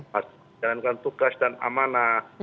masalah tugas dan amanah